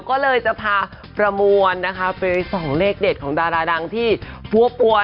ก็เลยจะพาประมวลนะคะไปส่องเลขเด็ดของดาราดังที่ปัว